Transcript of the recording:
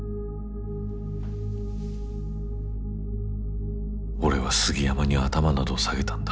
心の声俺は杉山に頭など下げたんだ。